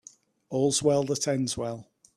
All's well that ends well.